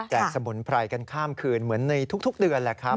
สมุนไพรกันข้ามคืนเหมือนในทุกเดือนแหละครับ